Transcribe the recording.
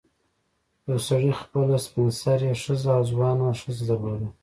یو سړي خپله سپین سرې ښځه او ځوانه ښځه درلوده.